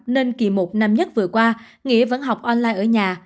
nên kỳ một năm nhất vừa qua nghĩa vẫn học online ở nhà